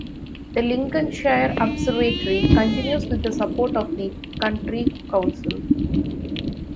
The Lincolnshire observatory continues with the support of the County Council.